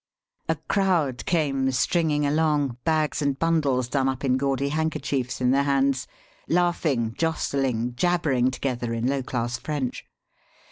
A crowd came stringing along, bags and bundles done up in gaudy handkerchiefs in their hands, laughing, jostling, jabbering together in low class French.